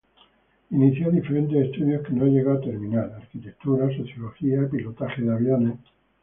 Inició diferentes estudios, que no llegó a terminar: arquitectura, sociología, pilotaje de aviones.